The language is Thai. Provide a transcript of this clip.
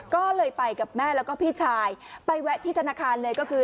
ก็เลยไปกับแม่แล้วก็พี่ชายไปแวะที่ธนาคารเลยก็คือ